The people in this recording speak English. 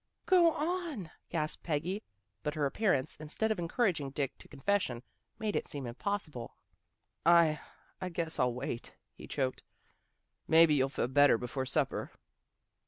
" Go on," gasped Peggy. But her appear ance, instead of encouraging Dick to confession, made it seem impossible. "I I guess I'll wait," he choked. " Maybe you'll feel better before supper."